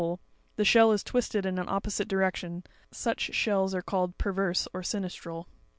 30, page 42), the shell is twisted in an opposite direc tion: such shells are called '" per verse," or "sinistral."